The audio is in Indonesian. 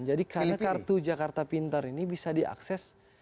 jadi karena kartu jakarta pintar ini bisa diakses